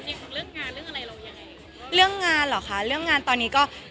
จริงเรื่องงานเรื่องอะไรเรายังไงเรื่องงานเหรอคะเรื่องงานตอนนี้ก็